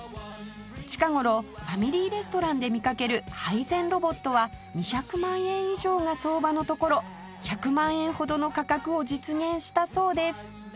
近頃ファミリーレストランで見かける配膳ロボットは２００万円以上が相場のところ１００万円ほどの価格を実現したそうです